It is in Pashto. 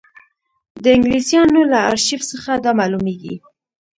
د انګلیسیانو له ارشیف څخه دا معلومېږي.